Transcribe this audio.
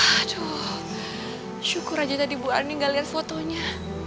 aduh syukur aja tadi bu ani gak lihat fotonya